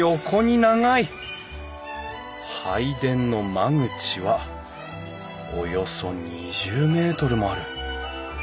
拝殿の間口はおよそ２０メートルもある。